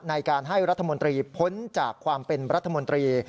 ในการให้รัฐมนตรีพ้นจากความเป็นรัฐมนตรี